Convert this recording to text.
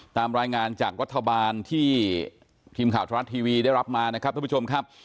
ตามรายงานจากรัฐบาลที่ทีมข่าวทรัฐทีวีได้รับมานะครับทุกผู้ชมครับ